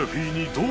どう？